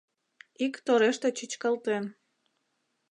Ик тореште чӱчкалтен